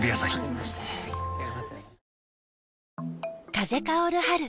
風薫る春。